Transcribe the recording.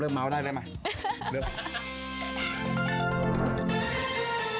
เริ่มเม้าได้ไหม